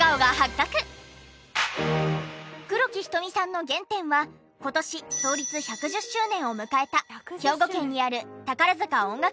黒木瞳さんの原点は今年創立１１０周年を迎えた兵庫県にある宝塚音楽学校。